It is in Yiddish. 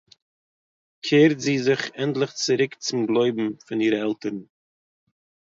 קערט זי זיך ענדליך צוריק צום גלויבן פון אירע עלטערן